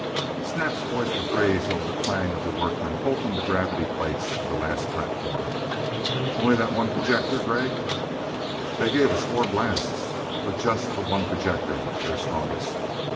Snap's voice was raised over the clang of the workmen bolting the gravity plates of the last platform: "Only that one projector, Gregg?" "They gave us four blasts; but just the one projector. Their strongest."